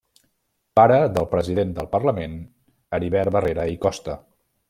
Pare del president del Parlament Heribert Barrera i Costa.